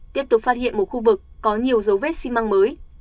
tiếp tục phát hiện một khu vực có nhiều dấu vết xi măng mới